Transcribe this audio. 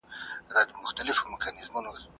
ایمیلونه ډېر مهم ښکارېدل.